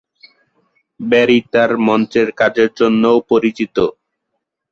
Barry তার মঞ্চের কাজের জন্যও পরিচিত।